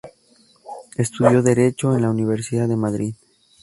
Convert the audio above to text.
Estudió Derecho en la Universidad de Madrid.